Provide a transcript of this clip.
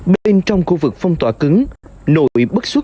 bên trong khu vực phong tỏa cứng nổi bức xuất